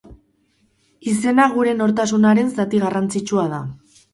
Izena gure nortasunaren zati garrantzitsua da.